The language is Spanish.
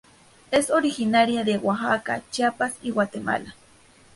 Es originaria de Oaxaca, Chiapas y Guatemala.